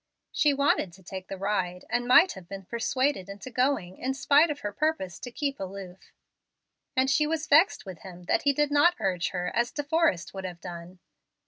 She wanted to take the ride, and might have been persuaded into going, in spite of her purpose to keep aloof, and she was vexed with him that he did not urge her as De Forrest would have done.